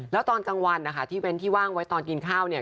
แล้วตอนกลางวันนะคะที่เว้นที่ว่างไว้ตอนกินข้าวเนี่ย